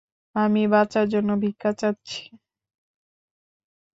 আমি বাঁচার জন্য ভিক্ষা চাচ্ছি।